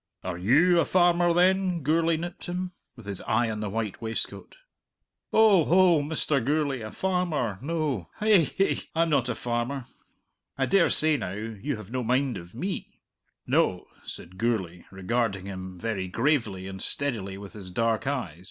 "Are you a farmer, then?" Gourlay nipped him, with his eye on the white waistcoat. "Oh oh, Mr. Gourlay! A farmer, no. Hi hi! I'm not a farmer. I dare say, now, you have no mind of me?" "No," said Gourlay, regarding him very gravely and steadily with his dark eyes.